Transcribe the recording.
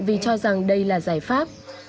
vì cho rằng đây là giải pháp